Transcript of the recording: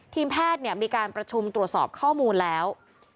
ทีมแพทย์มีการประชุมตรวจสอบข้อมูลแล้ว